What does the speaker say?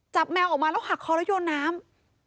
แมวออกมาแล้วหักคอแล้วโยนน้ำ